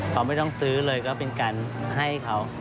เขาไม่ต้องซื้อเลยก็เป็นการให้เขา